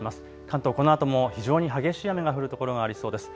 関東、このあとも非常に激しい雨が降る所がありそうです。